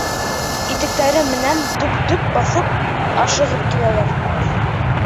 Итектәре менән дөп-дөп баҫып ашығып киләләр.